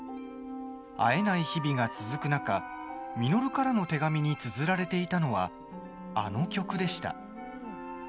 会えない日々が続く中、稔からの手紙につづられていたのはあの曲でした。